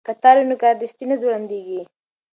که تار وي نو کارډستي نه ځوړندیږي.